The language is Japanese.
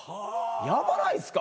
ヤバないっすか？